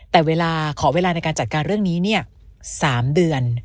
แต่เวลาขอเวลาในการจัดการเรื่องนี้๓เดือน